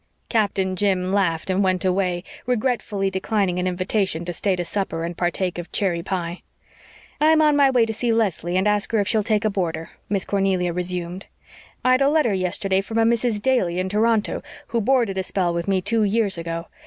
Captain Jim laughed and went away, regretfully declining an invitation to stay to supper and partake of cherry pie. "I'm on my way to see Leslie and ask her if she'll take a boarder," Miss Cornelia resumed. "I'd a letter yesterday from a Mrs. Daly in Toronto, who boarded a spell with me two years ago.